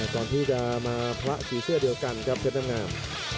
ก่อนที่จะมาพระสีเสื้อเดียวกันครับเพชรน้ำงาม